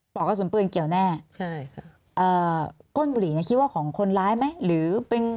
บอกว่าสุนเปื้อนเกี่ยวแน่โก้นบุหรี่คิดว่าของคนร้ายไหมหรือเป็น